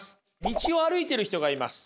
道を歩いてる人がいます。